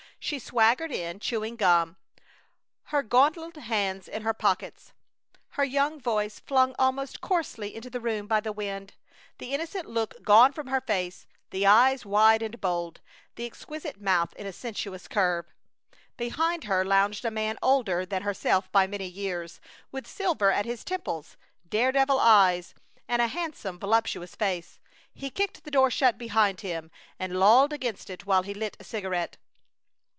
She swaggered in, chewing gum, her gauntleted hands in her pockets, her young voice flung almost coarsely into the room by the wind; the innocent look gone from her face; the eyes wide and bold; the exquisite mouth in a sensuous curve. Behind her lounged a man older than herself by many years, with silver at his temples, daredevil eyes, and a handsome, voluptuous face. He kicked the door shut behind him and lolled against it while he lit a cigarette.